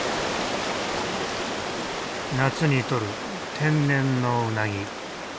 夏にとる天然のウナギ。